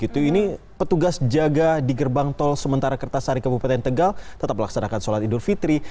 ini petugas jaga di gerbang tol sementara kertasari kabupaten tegal tetap melaksanakan sholat idul fitri